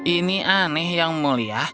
ini aneh yang mulia